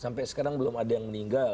sampai sekarang belum ada yang meninggal